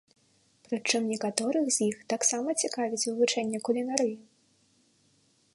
Прычым некаторых з іх таксама цікавіць вывучэнне кулінарыі.